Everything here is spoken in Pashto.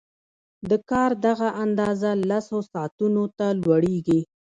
د کار دغه اندازه لسو ساعتونو ته لوړېږي